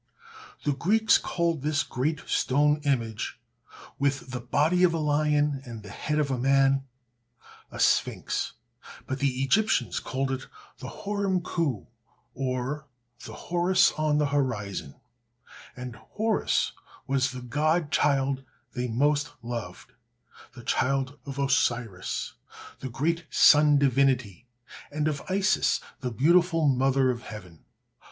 The Greeks called this great stone image, with the body of a lion and the head of a man, a sphinx; but the Egyptians called it the "Hor em khoo," the "Horus on the horizon;" and Horus was the god child they most loved, the child of Osiris, the great sun divinity, and of Isis, the beautiful mother of heaven.